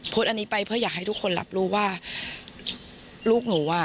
อันนี้ไปเพื่ออยากให้ทุกคนรับรู้ว่าลูกหนูอ่ะ